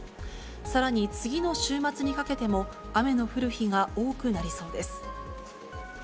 さらに次の週末にかけても、雨の降る日が多くなりそうです。